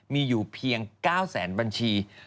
มีอยู่เพียง๙แสนบัญชี